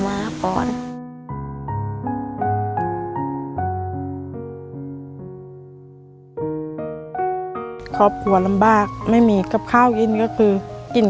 หนูอยากให้น้องเวทกับน้องแน่นามีร่างกายแข็งแรง